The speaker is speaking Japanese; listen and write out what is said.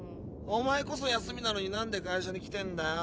おまえこそ休みなのになんで会社に来てんだよ。